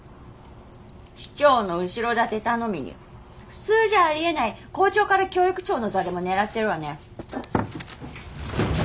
市長の後ろ盾頼みに普通じゃありえない校長から教育長の座でも狙ってるわね。